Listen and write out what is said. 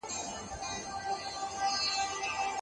لښتې په خپل زړه کې د خپلې مور د مړینې یادونه تازه کړل.